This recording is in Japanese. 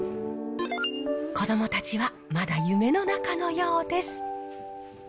子どもたちはまだ夢の中のようです。